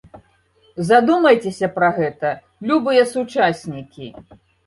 Задумайцеся пра гэта, любыя сучаснікі!